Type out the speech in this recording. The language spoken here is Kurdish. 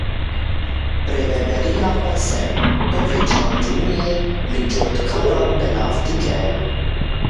Rêveberiya Xweser tovê çandiniyê li cotkaran belav dike.